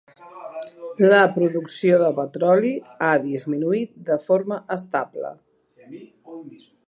La producció de petroli ha disminuït de forma estable.